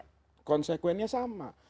kalau kita memasukkan sesuatu yang halal